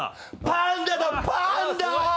パンダだパンダ！